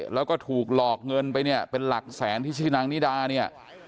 แล้วก็ถูกหลอกเงินไปเนี่ยเป็นหลักแสนที่ชื่อนางนิดาเนี่ย